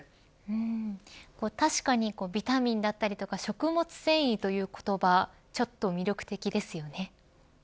確かにビタミンや食物繊維という言葉ちょっと魅力的ですよね。